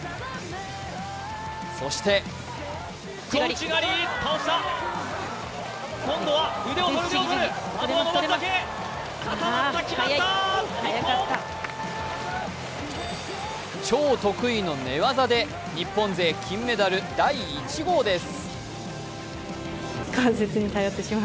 そして超得意の寝技で日本勢金メダル第１号です。